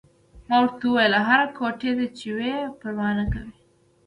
ما ورته وویل: هره کوټه چې وي، پروا نه کوي.